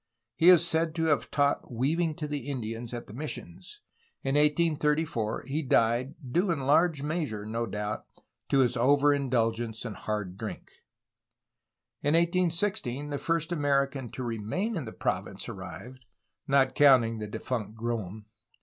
He is said to have taught weaving to the Indians at the missions. In 1834 he died, due in large measure, no doubt, to his over indulgence in hard drink. In 1816 the first American to remain in the province ar rived,— not counting the defunct Groem.